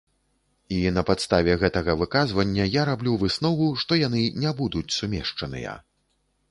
І на падставе гэтага выказвання я раблю выснову, што яны не будуць сумешчаныя.